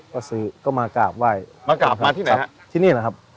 ก็ซื้อก็มากราบไหว้มากราบมาที่ไหนฮะที่นี่แหละครับ